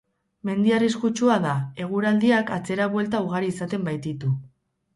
Mendi arriskutsua da, eguraldiak atzera buelta ugari izaten baititu.